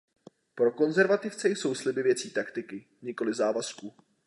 Pro konzervativce jsou sliby věcí taktiky, nikoliv závazku.